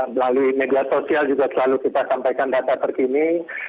melalui media sosial juga selalu kita sampaikan data terkini